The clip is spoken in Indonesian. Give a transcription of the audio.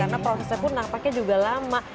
karena prosesnya pun nampaknya juga lama